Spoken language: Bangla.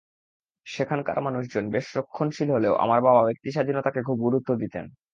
সেখানকার মানুষজন বেশ রক্ষণশীল হলেও আমার বাবা ব্যক্তিস্বাধীনতাকে খুব গুরুত্ব দিতেন।